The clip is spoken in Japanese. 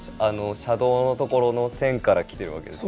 車道の所の線から来てるわけですね。